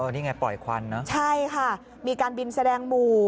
นี่ไงปล่อยควันเนอะใช่ค่ะมีการบินแสดงหมู่